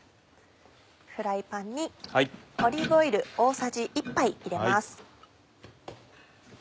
フライパンにオリーブオイル大さじ１杯入れます。